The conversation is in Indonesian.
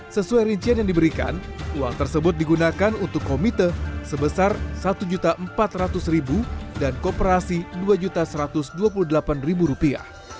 sesuai rincian yang diberikan uang tersebut digunakan untuk komite sebesar satu empat ratus dan kooperasi dua satu ratus dua puluh delapan rupiah